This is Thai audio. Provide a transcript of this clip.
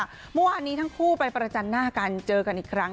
เมื่อวานนี้ทั้งคู่ไปประจันหน้ากันเจอกันอีกครั้ง